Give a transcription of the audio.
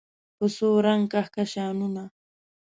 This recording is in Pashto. په څو رنګ کهکشانونه